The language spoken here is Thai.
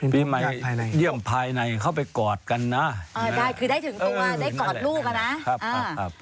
ปีใหม่เยี่ยมภายในเขาไปกอดกันนะ